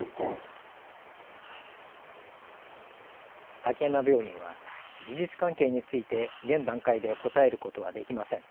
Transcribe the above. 滝山病院は事実関係について現段階で答えることはできません。